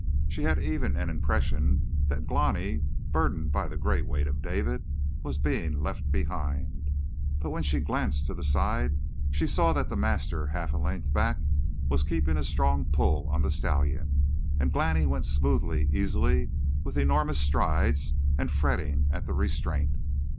She had even an impression that Glani, burdened by the great weight of David, was being left behind, but when she glanced to the side she saw that the master half a length back, was keeping a strong pull on the stallion, and Glani went smoothly, easily, with enormous strides, and fretting at the restraint.